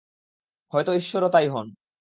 হয়ত ঈশ্বরও তাই হন।